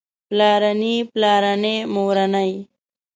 پلارنی پلارني مورنۍ